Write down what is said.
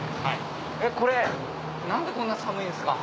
これ何でこんな寒いんですか？